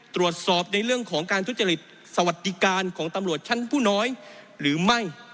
ตรวจสอบในเรื่องของการทุจริตสวัสดิการของตำรวจชั้นผู้น้อยหรือไม่